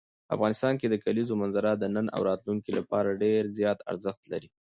افغانستان کې د کلیزو منظره د نن او راتلونکي لپاره ډېر زیات ارزښت لري.